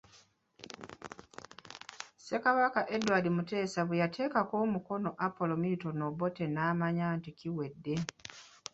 Ssekabaka Edward Muteesa bweyateekako omukono Apollo Milton Obote n'amanya nti kiwedde.